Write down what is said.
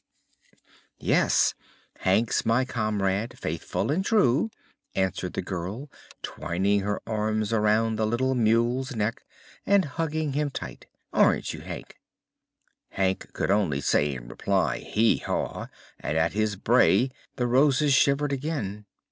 "Yes; Hank's my comrade, faithful and true," answered the girl, twining her arms around the little mule's neck and hugging him tight. "Aren't you, Hank?" Hank could only say in reply: "Hee haw!" and at his bray the Roses shivered again.